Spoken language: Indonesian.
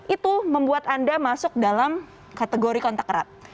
itu membuat anda masuk dalam kategori kontak erat